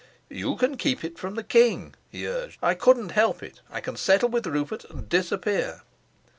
"You can keep it from the king," he urged. "I couldn't help it. I can settle with Rupert and disappear."